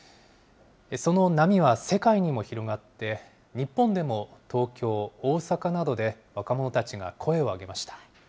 その波は世界にも広がって、日本でも東京、大阪などで若者たちが声を上げました。